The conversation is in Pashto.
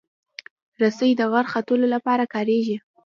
رسۍ د غر ختلو لپاره کارېږي.